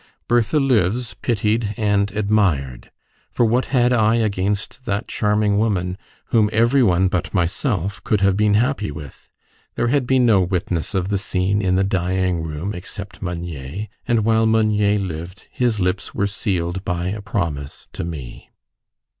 Bertha lives pitied and admired; for what had I against that charming woman, whom every one but myself could have been happy with? There had been no witness of the scene in the dying room except Meunier, and while Meunier lived his lips were sealed by a promise to me.